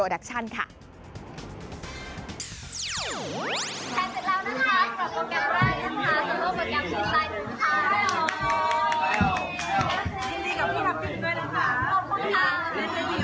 แข่งเสร็จแล้วนะคะสำหรับโปรแกรมแรกนะคะ